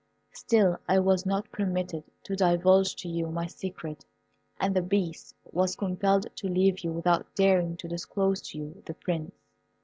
Still I was not permitted to divulge to you my secret, and the Beast was compelled to leave you without daring to disclose to you the Prince.